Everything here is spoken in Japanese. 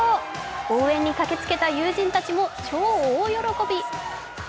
応援に駆けつけた友人たちも超大喜び。